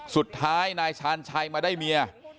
สุดท้ายนายชาญชัยมาได้เมีย